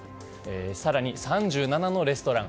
更に３７のレストラン。